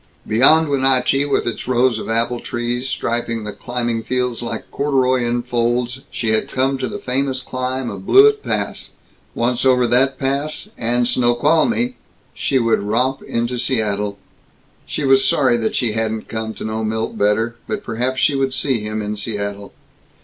Beyond Wenatchee, with its rows of apple trees striping the climbing fields like corduroy in folds, she had come to the famous climb of Blewett Pass. Once over that pass, and Snoqualmie, she would romp into Seattle. She was sorry that she hadn't come to know Milt better, but perhaps she would see him in Seattle.